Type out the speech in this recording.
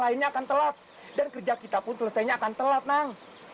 lainnya akan telat dan kerja kita pun selesainya akan telat nang